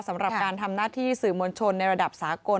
สำหรับการทำหน้าที่สื่อมวลชนในระดับสากล